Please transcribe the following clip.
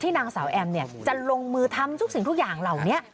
นางสาวแอมจะลงมือทำทุกสิ่งทุกอย่างเหล่านี้